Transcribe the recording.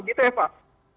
gitu ya pak